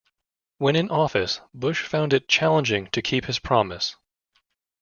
When in office, Bush found it challenging to keep his promise.